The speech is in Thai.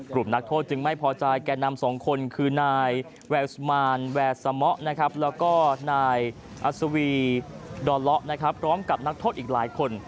กลุ่มนักโทษจึงไม่พอใจแก่นำ๒คนคือนายแววสมาร์นแววสมะและก็นายอสวีดรล๊อพร้อมกับนักโทษอีกหลายคน